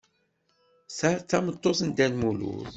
Ta d tameṭṭut n Dda Lmulud?